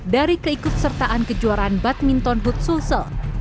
dari keikut sertaan kejuaraan badminton foot sulsel